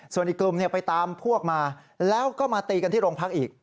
ส่วนอีกกลุ่มไปตามพวกมาแล้วก็มาตีกันที่โรงพักอีก